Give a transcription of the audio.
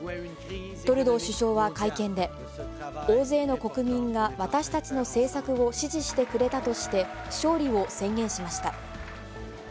トルドー首相は会見で、大勢の国民が私たちの政策を支持してくれたとして、勝利を宣言しました。